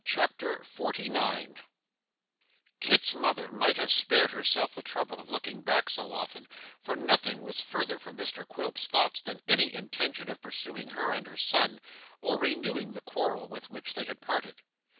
CHAPTER 49 Kit's mother might have spared herself the trouble of looking back so often, for nothing was further from Mr Quilp's thoughts than any intention of pursuing her and her son, or renewing the quarrel with which they had parted.